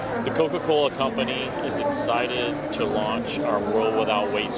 kondisi coca cola mengucapkan keinginan untuk memulai program world without waste